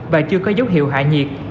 và chưa có dấu hiệu hạ nhiệt